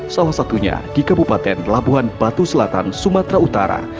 salah satunya di kabupaten labuhan batu selatan sumatera utara